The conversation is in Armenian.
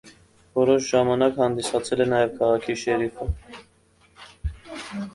Որոշ ժամանակ հանդիսացել է նաև քաղաքի շերիֆը։